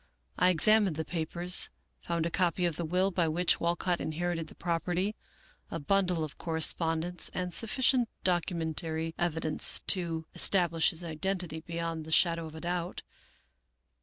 I examined the papers, found a copy of the will by which Walcott inherited the property, a bundle of correspondence, and sufficient documentary evidence to establish his identity beyond the shadow of a doubt.